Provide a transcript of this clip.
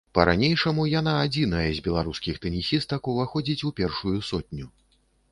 Па-ранейшаму яна адзіная з беларускіх тэнісістак уваходзіць у першую сотню.